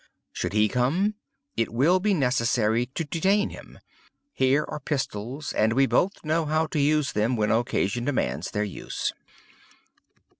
Should he come, it will be necessary to detain him. Here are pistols; and we both know how to use them when occasion demands their use."